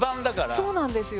そうなんですよ。